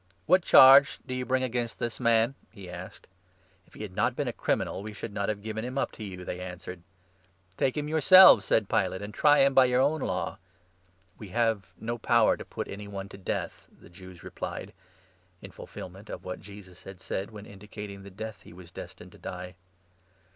29 "What charge do you bring against this man ?" he asked. " If he had not been a criminal, we should not have given 30 him up to you," they answered. "Take him yourselves," said Pilate, "and try him by your 31 own Law." "We have no power to put any one to death," the Jews replied — in fulfilment of what Jesus had said when indicating 32 the death that he was destined to die.